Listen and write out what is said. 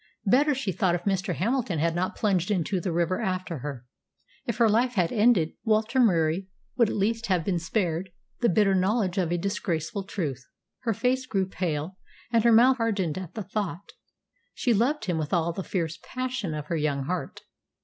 Better, she thought, if Mr. Hamilton had not plunged into the river after her. If her life had ended, Walter Murie would at least have been spared the bitter knowledge of a disgraceful truth. Her face grew pale and her mouth hardened at the thought. She loved him with all the fierce passion of her young heart.